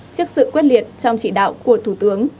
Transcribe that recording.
trước sự quyết liệt trong chỉ đạo của thủ tướng